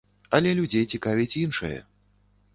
Але людзей цікавіць іншае.